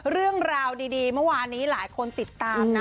เรื่องราวดีเมื่อวานนี้หลายคนติดตามนะ